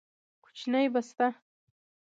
کوچنۍ بسته